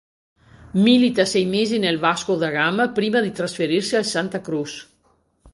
Milita sei mesi nel Vasco da Gama prima di trasferirsi al Santa Cruz.